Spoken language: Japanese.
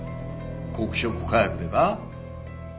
黒色火薬でか？